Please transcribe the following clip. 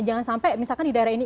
jangan sampai misalkan di daerah ini